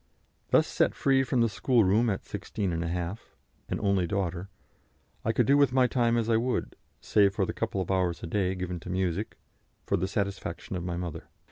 Thus set free from the schoolroom at 16½, an only daughter, I could do with my time as I would, save for the couple of hours a day given to music, for the satisfaction of my mother.